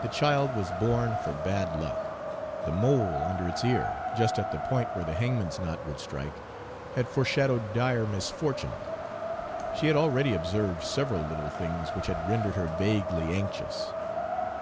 The child was born for bad luck. The mole under its ear, just at the point where the hangman's knot would strike, had foreshadowed dire misfortune. She had already observed several little things which had rendered her vaguely anxious.